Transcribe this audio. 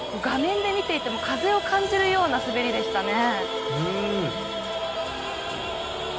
画面で見ていても風を感じるようなスケートでした。